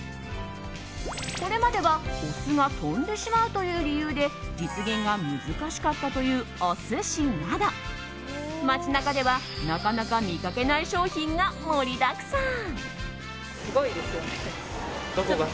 これまではお酢が飛んでしまうという理由で実現が難しかったというお寿司など街中ではなかなか見かけない商品が盛りだくさん。